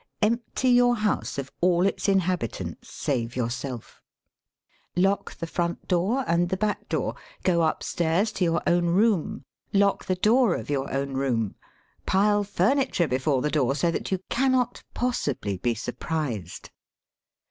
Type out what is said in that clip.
Empty your house of all its inhabitants save yourself. Lock the front door and the back door. Go upstairs to your own room. Lock the door of your own room. Pile furniture before the door, so that you cannot possibly be surprised.